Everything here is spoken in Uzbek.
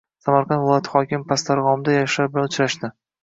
Samarqand viloyati hokimi Pastdarg‘omda yoshlar bilan uchrashdi